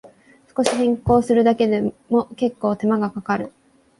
少し変更するだけでも、けっこう手間がかかる